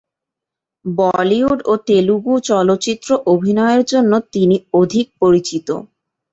বলিউড ও তেলুগু চলচ্চিত্র অভিনয়ের জন্য তিনি অধিক পরিচিত।